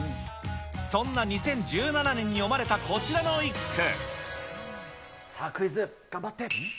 そんな２０１７年に詠まれたこちらの一句。